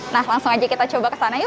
nah langsung aja kita coba kesana yuk